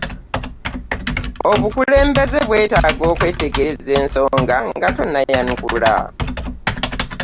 Obukulembeze bwetaaga kwetegereza nsonga nga tonnayanukula.